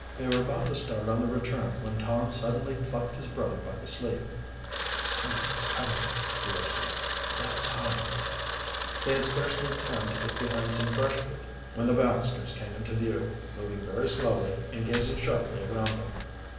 They were about to start on the return when Tom suddenly plucked his brother by the sleeve. "Somebody is coming," he whispered. "Let us hide." They had scarcely time to get behind some brushwood when the Baxters came into view, moving very slowly and gazing sharply around them.